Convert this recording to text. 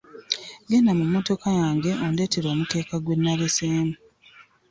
Genda mu mmotoka yange ondeetere omukeeka gwe nnaleseemu.